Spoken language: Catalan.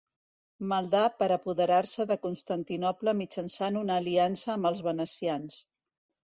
Maldà per apoderar-se de Constantinoble mitjançant una aliança amb els venecians.